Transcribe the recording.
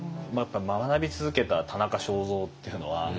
学び続けた田中正造っていうのはすごいし。